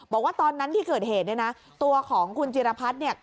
บอกว่าตอนนั้นที่เกิดเหตุเนี่ยนะตัวของคุณจิรพัฒน์เนี่ย